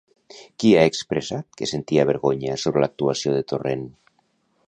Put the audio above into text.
Qui ha expressat que sentia vergonya sobre l'actuació de Torrent?